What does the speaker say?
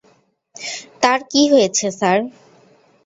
তার কী হয়েছে, স্যার?